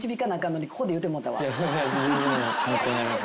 参考になります